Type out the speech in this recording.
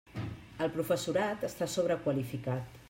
El professorat està sobrequalificat.